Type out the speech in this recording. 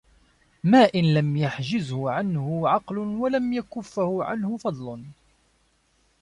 مَا إنْ لَمْ يَحْجِزْهُ عَنْهُ عَقْلٌ وَلَمْ يَكُفَّهُ عَنْهُ فَضْلٌ